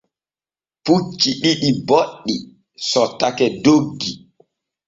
Pucci ɗiɗi boɗɗi sottake doggi.